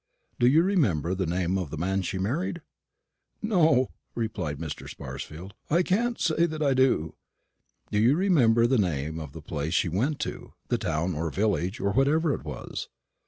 "Do you remember the name of the man she married?" "No," replied Mr. Sparsfield, "I can't say that I do." "Do you remember the name of the place she went to the town or village, or whatever it was?"